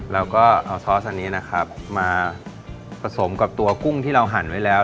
เราก็เอาซอสอันนี้นะครับมาผสมกับตัวกุ้งที่เราหั่นไว้แล้ว